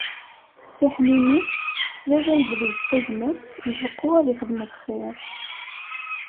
Tessiḥninit, teslalay-d deg-s tagmat, ibeqqu ad ixdem lxir.